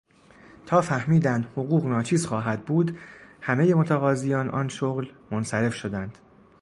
تا فهمیدند حقوق ناچیز خواهد بود همهی متقاضیان آن شغل منصرف شدند.